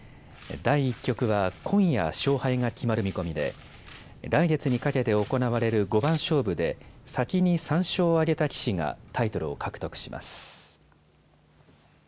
第１局は今夜、勝敗が決まる見込みで来月にかけて行われる五番勝負で先に３勝を挙げた棋士がタイトルを獲得します。